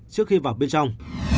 trước khi vào bên trong